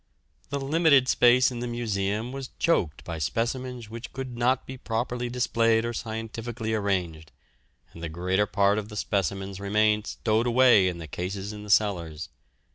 The limited space in the Museum was choked by specimens which could not be properly displayed or scientifically arranged, and the greater part of the specimens remained stowed away in cases in the cellars.